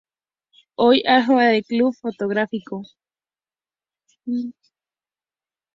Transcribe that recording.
Hoy aloja el club fotográfico.